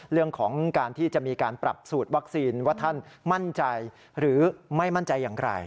เรื่องของการที่จะมีการปรับสูตรวัคซีนว่าท่านมั่นใจหรือไม่มั่นใจอย่างไร